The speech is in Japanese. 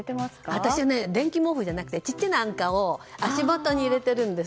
私は電気毛布じゃなくて小さいあんかを足元に入れているんです。